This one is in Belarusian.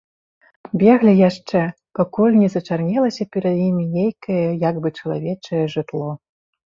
Беглі яшчэ, пакуль не зачарнелася перад імі нейкае як бы чалавечае жытло.